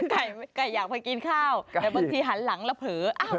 ไก่อยากไปกินข้าวแต่บางทีหันหลังแล้วเผลอ